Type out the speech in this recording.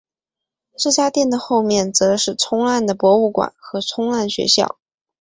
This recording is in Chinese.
这家店的后面则是冲浪的博物馆和冲浪学校。